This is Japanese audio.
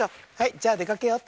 じゃあでかけよう。